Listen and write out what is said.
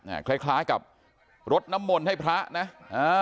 คล้ายคล้ายกับรดน้ำมนต์ให้พระนะอ่า